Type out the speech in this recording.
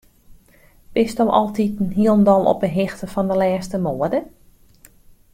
Bisto altiten hielendal op 'e hichte fan de lêste moade?